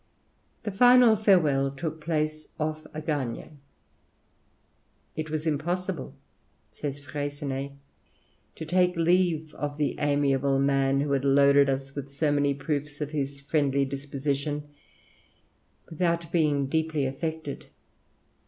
The final farewell took place off Agagna. "It was impossible," says Freycinet, "to take leave of the amiable man, who had loaded us with so many proofs of his friendly disposition, without being deeply affected.